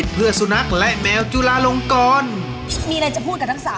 คุณตุ้นเกียจโมราทา